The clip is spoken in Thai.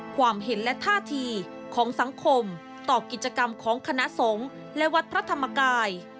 ความเห็นและท่าทีของสังคมต่อกิจกรรมของคณะสงฆ์และวัดพระธรรมกาย